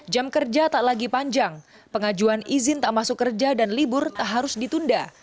jam kerja tak lagi panjang pengajuan izin tak masuk kerja dan libur tak harus ditunda